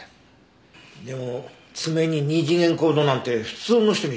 でも爪に二次元コードなんて普通の人にできるもんなの？